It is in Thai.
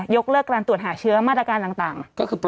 กเลิกการตรวจหาเชื้อมาตรการต่าง